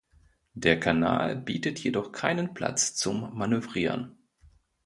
Der Kanal bietet jedoch keinen Platz zum Manövrieren.